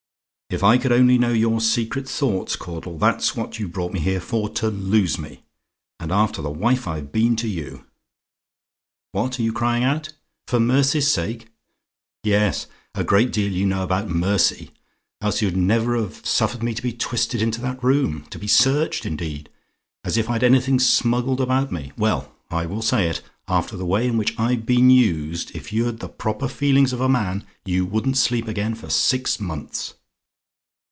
If I could only know your secret thoughts, Caudle, that's what you brought me here for, to lose me. And after the wife I've been to you! "What are you crying out? "FOR MERCY'S SAKE? "Yes; a great deal you know about mercy! Else you'd never have suffered me to be twisted into that room. To be searched, indeed! As if I'd anything smuggled about me. Well, I will say it, after the way in which I've been used, if you'd the proper feelings of a man, you wouldn't sleep again for six months.